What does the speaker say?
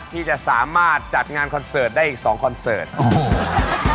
ที่จะสามารถจัดงานคอนเสิร์ตได้อีกสองคอนเสิร์ตอืม